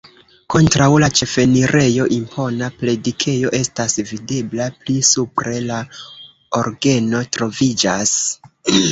Kontraŭ la ĉefenirejo impona predikejo estas videbla, pli supre la orgeno troviĝas.